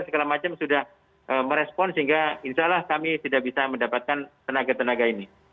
segala macam sudah merespon sehingga insya allah kami tidak bisa mendapatkan tenaga tenaga ini